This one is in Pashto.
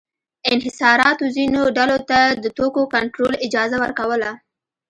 انحصاراتو ځینو ډلو ته د توکو کنټرول اجازه ورکوله.